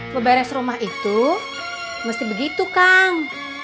ngeberes rumah itu mesti begitu kang